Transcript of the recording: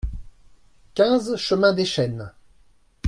quinze chemin Dès Chênes